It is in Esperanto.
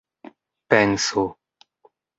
pensu